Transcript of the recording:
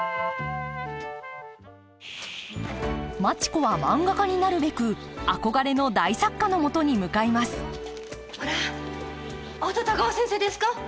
マチ子は漫画家になるべく憧れの大作家のもとに向かいますあんた田河先生ですか？